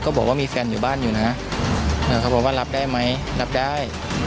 บอกว่ามีแฟนอยู่บ้านอยู่นะเขาบอกว่ารับได้ไหมรับได้